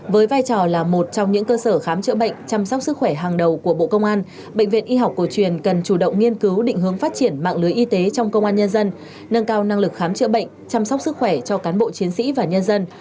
với vai trò là một trong những cơ sở khám chữa bệnh chăm sóc sức khỏe hàng đầu của bộ công an bệnh viện y học cổ truyền cần chủ động nghiên cứu định hướng phát triển mạng lưới y tế trong công an nhân dân nâng cao năng lực khám chữa bệnh chăm sóc sức khỏe cho cán bộ chiến sĩ và nhân dân